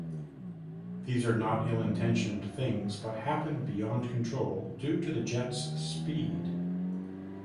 These are not ill-intentioned things but happen beyond control due to the jets' speed.